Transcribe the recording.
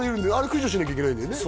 駆除しなきゃいけないんだよね？